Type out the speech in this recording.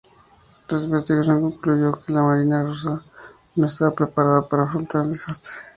La investigación concluyó que la marina rusa no estaba preparada para afrontar el desastre.